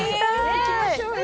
行きましょうよ。